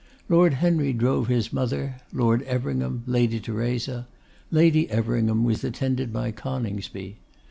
Lord Henry drove his mother; Lord Everingham, Lady Theresa; Lady Everingham was attended by Coningsby.